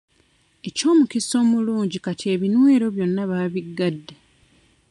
Eky'omukisa omulungi kati ebinywero byonna baabigadde.